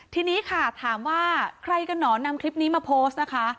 ทีนี้ค่ะถามว่าใครกันหนอนนำคลิปนี้มาโพสต์นะคะ